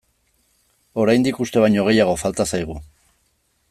Oraindik uste baino gehiago falta zaigu.